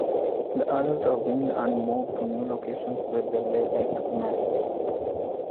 The adults are winged and move to new locations where they lay egg masses.